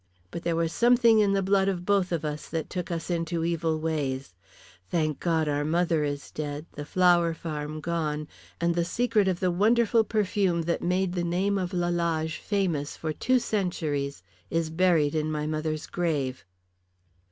But there was something in the blood of both of us that took us into evil ways. Thank God our mother is dead, the flower farm gone, and the secret of the wonderful perfume that made the name of Lalage famous for two centuries is buried in my mother's grave."